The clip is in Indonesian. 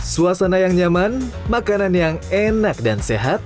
suasana yang nyaman makanan yang enak dan sehat